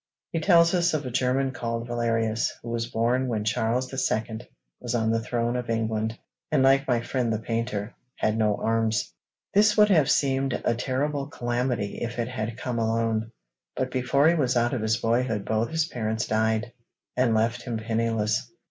He tells us of a German called Valerius, who was born when Charles II. was on the throne of England, and like my friend the painter, had no arms. This would have seemed a terrible calamity if it had come alone, but before he was out of his boyhood both his parents died, and left him penniless.